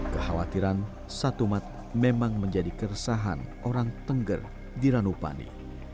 kekhawatiran satumat memang menjadi keresahan orang tengger di ranupani